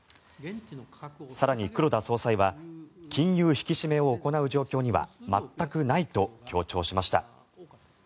更に黒田総裁は金融引き締めを行う状況には全くないと強調しました。